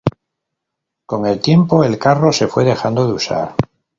Con el tiempo el carro se fue dejando de usar.